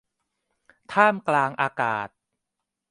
ท่ามกลางอากาศ